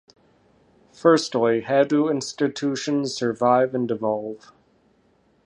Firstly, how do institutions survive and evolve?